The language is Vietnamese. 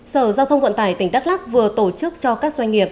sở giao thông vận tải tỉnh đắk lắc vừa tổ chức cho các doanh nghiệp